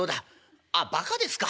「あっバカですか。